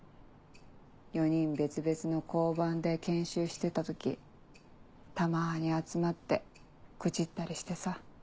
４人別々の交番で研修してた時たまに集まって愚痴ったりしてさ。